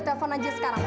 telepon aja sekarang